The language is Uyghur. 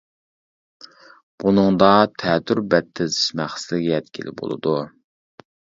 بۇنىڭدا تەتۈر بەت تىزىش مەقسىتىگە يەتكىلى بولىدۇ.